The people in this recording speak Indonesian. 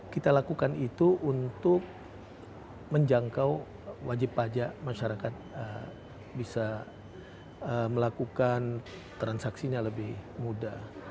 kita lakukan itu untuk menjangkau wajib pajak masyarakat bisa melakukan transaksinya lebih mudah